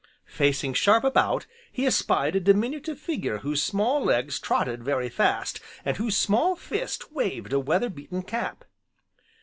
Facing sharp about he espied a diminutive figure whose small legs trotted very fast, and whose small fist waved a weather beaten cap.